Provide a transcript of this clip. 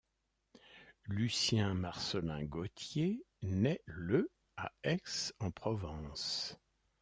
Lucien Marcellin Gautier naît le à Aix-en-Provence.